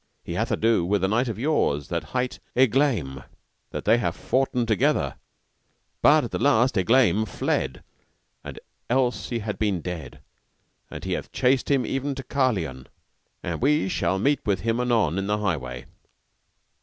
He hath ado with a knight of yours that hight Egglame, and they have foughten together, but at the last Egglame fled, and else he had been dead, and he hath chased him even to Carlion, and we shall meet with him anon in the highway.